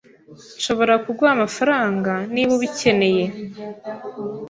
Nshobora kuguha amafaranga niba ubikeneye.